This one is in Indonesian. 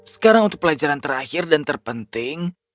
sekarang untuk pelajaran terakhir dan terpenting